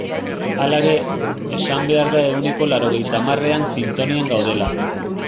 Hala ere, esan behar da ehuneko laurogeita hamarrean sintonian gaudela.